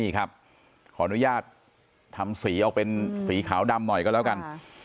นี่ครับขออนุญาตทำสีออกเป็นสีขาวดำหน่อยก็แล้วกัน